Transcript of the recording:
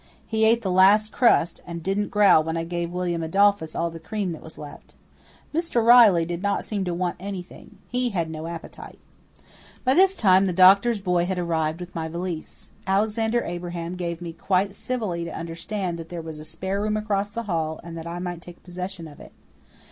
He ate the last crust, and didn't growl when I gave William Adolphus all the cream that was left. Mr. Riley did not seem to want anything. He had no appetite. By this time the doctor's boy had arrived with my valise. Alexander Abraham gave me quite civilly to understand that there was a spare room across the hall and that I might take possession of it.